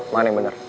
makan yang bener